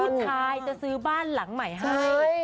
ผู้ชายจะซื้อบ้านหลังใหม่ให้